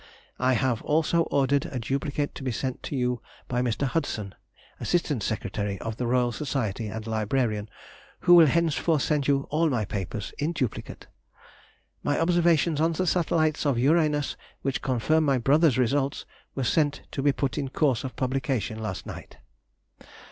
I have also ordered a duplicate to be sent you by Mr. Hudson, assistant secretary of the Royal Society, and librarian, who will henceforward send you all my papers (in duplicate). My observations on the satellites of Uranus, which confirm my brother's results, were sent to be put in course of publication last night."